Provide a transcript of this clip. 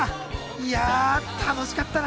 いや楽しかったな。